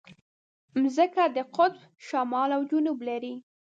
مځکه د قطب شمال او جنوب لري.